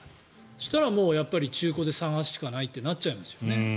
そうしたら、やっぱり中古で探すしかないってなっちゃいますよね。